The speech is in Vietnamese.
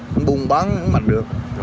không buông bán không mạnh được